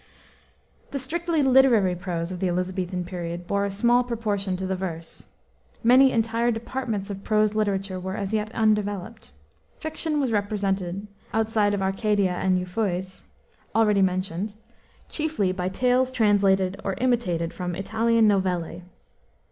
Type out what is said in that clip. The strictly literary prose of the Elisabethan period bore a small proportion to the verse. Many entire departments of prose literature were as yet undeveloped. Fiction was represented outside of the Arcadia and Euphues already mentioned chiefly by tales translated or imitated from Italian novelle.